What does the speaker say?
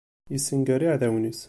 Yessenger iɛdawen-is.